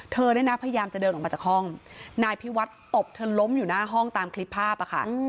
เธอเนี่ยนะพยายามจะเดินออกมาจากห้องนายพิวัฒน์ตบเธอล้มอยู่หน้าห้องตามคลิปภาพอะค่ะ